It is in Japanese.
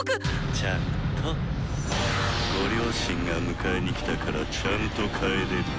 ちゃんとご両親が迎えに来たからちゃんと帰れるよ。